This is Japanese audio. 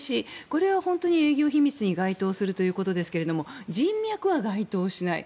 これは営業秘密に該当するということですが人脈は該当しない。